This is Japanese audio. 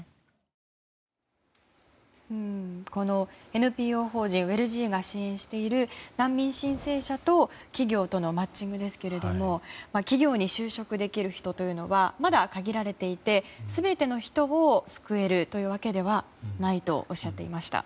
ＮＰＯ法人ＷＥＬｇｅｅが支援している難民申請者と企業とのマッチングですが企業に就職できる人というのはまだ限られていて全ての人を救えるというわけではないとおっしゃっていました。